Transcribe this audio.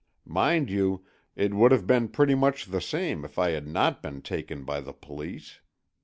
Mind you, it would have been pretty much the same if I had not been taken by the Police.